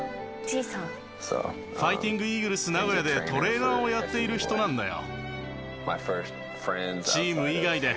ファイティングイーグルス名古屋でトレーナーをやっている人なんだよ。